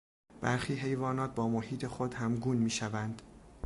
برخی حیوانات با محیط خود همگون میشوند.